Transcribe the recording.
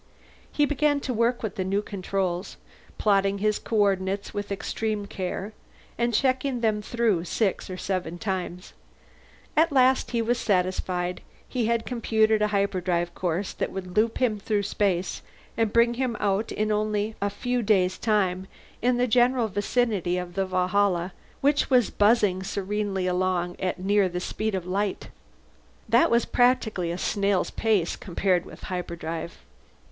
He began to work with the new controls, plotting his coordinates with extreme care and checking them through six or seven times. At last he was satisfied; he had computed a hyperdrive course that would loop him through space and bring him out in only a few days' time in the general vicinity of the Valhalla, which was buzzing serenely along at near the speed of light. That was practically a snail's pace, compared with hyperdrive.